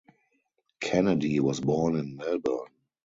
Kennedy was born in Melbourne.